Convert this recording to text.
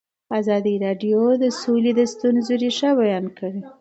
ازادي راډیو د سوله د ستونزو رېښه بیان کړې.